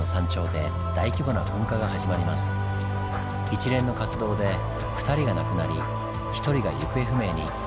一連の活動で２人が亡くなり１人が行方不明に。